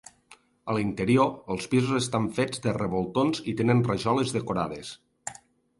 A l’interior, els pisos estan fets de revoltons i tenen rajoles decorades.